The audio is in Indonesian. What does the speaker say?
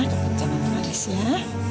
kamu jangan marah ya